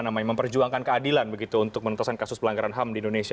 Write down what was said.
memperjuangkan keadilan untuk menentukan kasus pelanggaran ham di indonesia